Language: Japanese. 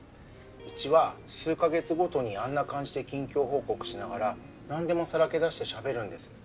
うちは数カ月ごとにあんな感じで近況報告しながら何でもさらけ出してしゃべるんです。